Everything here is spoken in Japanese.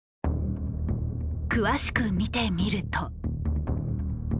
詳しく見てみると。